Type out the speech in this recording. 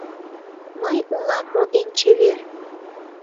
Мый улам мо эн чевер